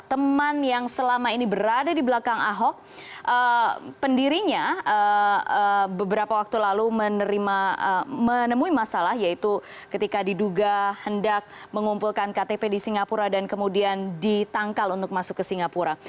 teman yang selama ini berada di belakang ahok pendirinya beberapa waktu lalu menemui masalah yaitu ketika diduga hendak mengumpulkan ktp di singapura dan kemudian ditangkal untuk masuk ke singapura